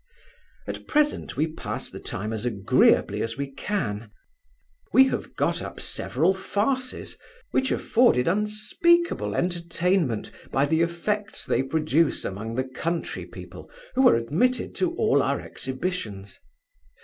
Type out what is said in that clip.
At present we pass the time as agreeably as we can. We have got up several farces, which afforded unspeakable entertainment by the effects they produced among the country people, who are admitted to all our exhibitions.